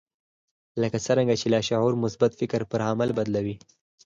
لکه څرنګه چې لاشعور مثبت فکر پر عمل بدلوي.